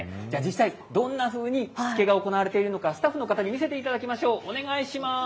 じゃあ実際どんなふうにしつけが行われているのか、スタッフの方に見せていただきましょう。